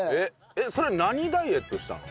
えっそれ何ダイエットしたの？